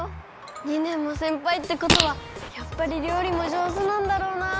２ねんもせんぱいってことはやっぱりりょうりもじょうずなんだろうな。